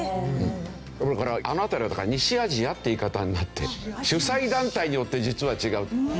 あの辺りはだから西アジアって言い方になって主催団体によって実は違う。